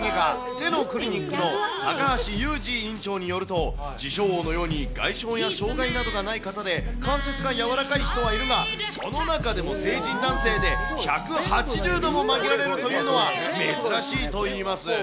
整形外科手のクリニックの高橋勇次院長によると、自称王のように外傷や障がいなどがない方で関節が柔らかい人はいるが、その中でも成人男性で１８０度も曲げられるというのは珍しいといいます。